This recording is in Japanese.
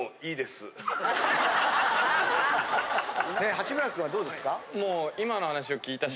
八村くんはどうですか？